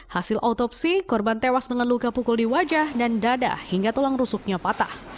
hasil autopsi korban tewas dengan luka pukul di wajah dan dada hingga tulang rusuknya patah